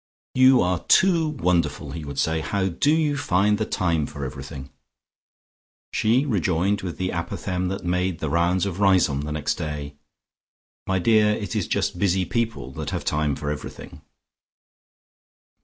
"You are too wonderful!" he would say. "How do you find time for everything?" She rejoined with the apophthegm that made the rounds of Riseholme next day. "My dear, it is just busy people that have time for everything."